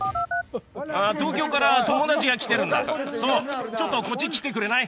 東京から友達が来てるんだそうちょっとこっち来てくれない？